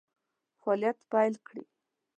فعالیت پیل کړي.